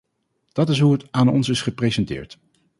Dat is hoe het aan ons is gepresenteerd.